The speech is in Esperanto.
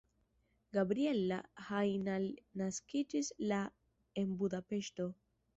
Gabriella Hajnal naskiĝis la en Budapeŝto.